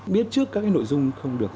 biết trước các nội dung không được phát